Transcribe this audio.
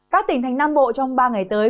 các tỉnh thành nam bộ trong ba ngày tới